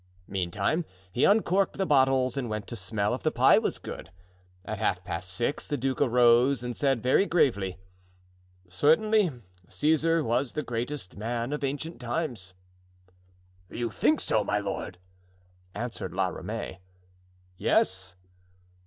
Meantime he uncorked the bottles and went to smell if the pie was good. At half past six the duke arose and said very gravely: "Certainly, Caesar was the greatest man of ancient times." "You think so, my lord?" answered La Ramee. "Yes."